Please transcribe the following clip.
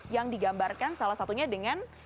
yang digambarkan salah satunya dengan